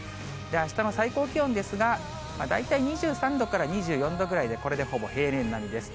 あしたの最高気温ですが、大体２３度から２４度ぐらいで、これでほぼ平年並みです。